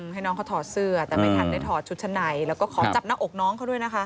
ให้น้องเขาถอดเสื้อแต่ไม่ทันได้ถอดชุดชั้นในแล้วก็ขอจับหน้าอกน้องเขาด้วยนะคะ